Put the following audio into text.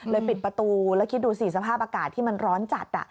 ปิดประตูแล้วคิดดูสิสภาพอากาศที่มันร้อนจัด